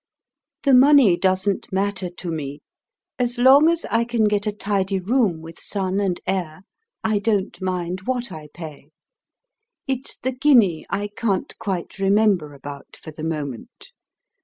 "The money doesn't matter to me. As long as I can get a tidy room, with sun and air, I don't mind what I pay. It's the guinea I can't quite remember about for the moment.